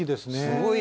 すごい！